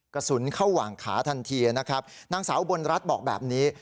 กระสุนเข้าหว่างขาทันทีนะครับนางสาวอุบลรัฐบอกแบบนี้